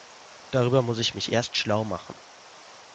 Darüber muss ich mich erst schlau machen.